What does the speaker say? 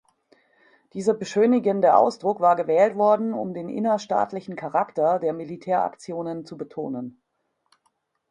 Dieser beschönigende Ausdruck war gewählt worden, um den innerstaatlichen Charakter der Militäraktionen zu betonen.